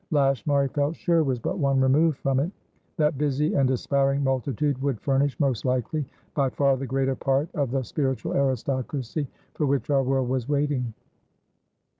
Lashmar, he felt sure, was but one remove from it. That busy and aspiring multitude would furnish, most likely, by far the greater part of the spiritual aristocracy for which our world was waiting.